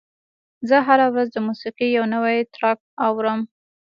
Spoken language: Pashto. زه هره ورځ د موسیقۍ یو نوی ټراک اورم.